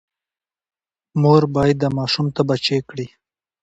مور باید د ماشوم تبه چیک کړي۔